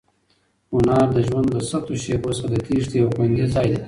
هنر د ژوند له سختو شېبو څخه د تېښتې یو خوندي ځای دی.